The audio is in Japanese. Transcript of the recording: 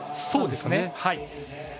そうですね。